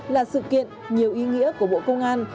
là sự kiện nhiều ý nghĩa của bộ công an